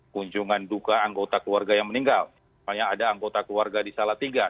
kunjungan duka anggota keluarga yang meninggal banyak ada anggota keluarga di salah tinggal